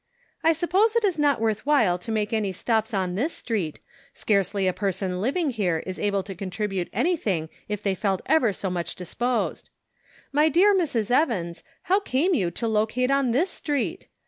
" I suppose it is not worth while to make any stops on this street, scarcely a person living here is able to contribute anything if they felt ever so much disposed. My dear Mrs. Evans, how came you to locate on this street?